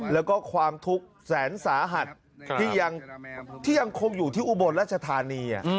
แล้วก็ความทุกข์แสนสาหัสที่ยังคงอยู่ที่อุบลรัชธานี